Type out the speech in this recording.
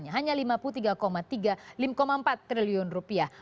hanya lima puluh tiga tiga triliun rupiah